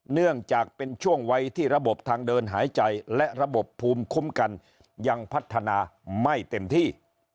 เนื่องจากเป็นช่วงวัยที่ระบบทางเดินหายใจและระบบภูมิคุ้มกันยังพัฒนาไม่เต็มที่